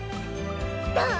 どう？